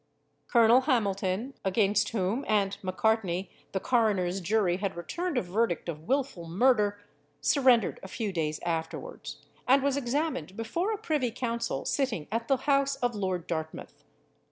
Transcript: Colonel Hamilton, against whom and Macartney the coroner's jury had returned a verdict of wilful murder, surrendered a few days afterwards, and was examined before a privy council sitting at the house of Lord Dartmouth.